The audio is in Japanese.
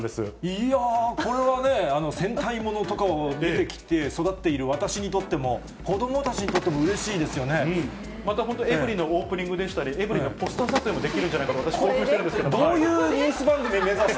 いやぁ、これはね、戦隊物とかを見てきて育っている私にとっても、子どもたちにとっまた、本当エブリィのオープニングでしたり、エブリィのポスター撮影もできるんじゃないかと、私、興奮してるんですけど。